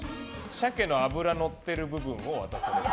シャケの脂のってる部分を渡された。